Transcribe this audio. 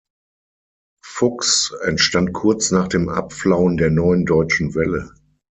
Fux entstand kurz nach dem Abflauen der Neuen Deutschen Welle.